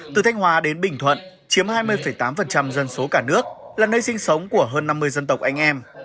từ thanh hòa đến bình thuận chiếm hai mươi tám dân số cả nước là nơi sinh sống của hơn năm mươi dân tộc anh em